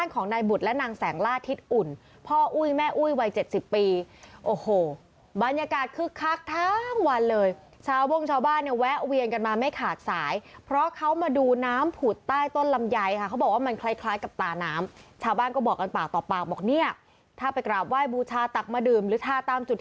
ของนายบุตรและนางแสงล่าทิศอุ่นพ่ออุ้ยแม่อุ้ยวัยเจ็ดสิบปีโอ้โหบรรยากาศคึกคักทั้งวันเลยชาวโบ้งชาวบ้านเนี่ยแวะเวียนกันมาไม่ขาดสายเพราะเขามาดูน้ำผุดใต้ต้นลำไยค่ะเขาบอกว่ามันคล้ายคล้ายกับตาน้ำชาวบ้านก็บอกกันปากต่อปากบอกเนี่ยถ้าไปกราบไหว้บูชาตักมาดื่มหรือทาตามจุด